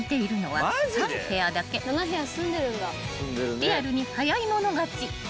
［リアルに早い者勝ち］